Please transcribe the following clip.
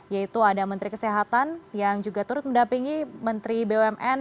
yaitu ada menteri kesehatan yang juga turut mendampingi menteri bumn